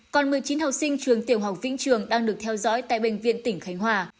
còn một mươi chín học sinh trường tiểu học vĩnh trường đang được theo dõi tại bệnh viện tỉnh khánh hòa